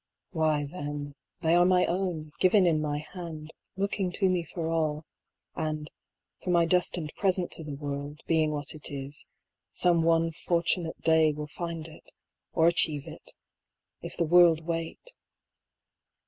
Why then, they are my own, given in my hand, looking to me for all, and, for my destined present to the world, being what it is, some one some fortunate day will find it, or achieve it: if the world wait...